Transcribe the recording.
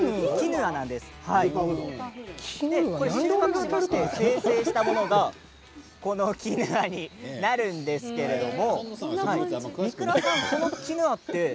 収穫して精製したものがこのキヌアになるんですけれども。